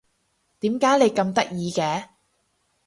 點解你咁得意嘅？